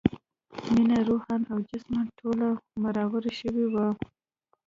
مينه روحاً او جسماً ټوله مړاوې شوې وه